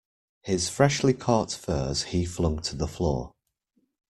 His freshly caught furs he flung to the floor.